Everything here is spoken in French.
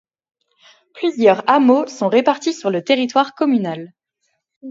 Plusieurs hameaux sont répartis sur le territoire communal.